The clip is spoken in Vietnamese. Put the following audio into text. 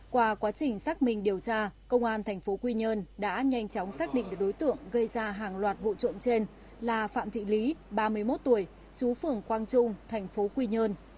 qua quá trình xác minh điều tra công an tp quy nhơn đã nhanh chóng xác định được đối tượng gây ra hàng loạt vụ trộm trên là phạm thị lý ba mươi một tuổi chú phường quang trung thành phố quy nhơn